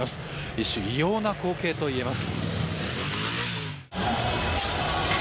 一種、異様な光景といえます。